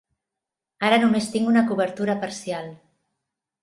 Ara només tinc una cobertura parcial.